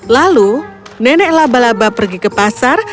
lalu nenek labalaba pergi ke pasar